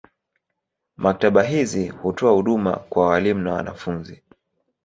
Maktaba hizi hutoa huduma kwa walimu na wanafunzi.